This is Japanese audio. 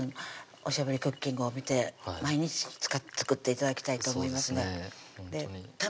おしゃべりクッキングを見毎日作って頂きたいと思いますねそうですね